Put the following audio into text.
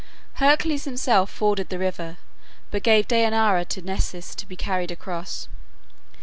Hercules himself forded the river, but gave Dejanira to Nessus to be carried across.